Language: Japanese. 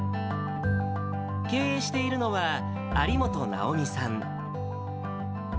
経営しているのは、有本奈緒美さん。